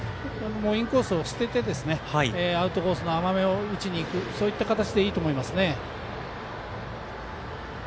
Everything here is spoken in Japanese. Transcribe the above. インコースを捨ててアウトコースの甘めを打ちにいくそういった形でいいと思います。